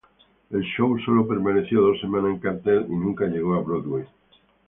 El show solo permaneció dos semanas en cartel y nunca llegó a Broadway.